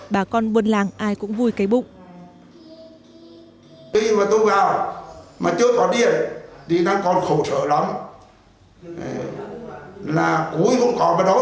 bà con buôn làng ai cũng vui cái bụng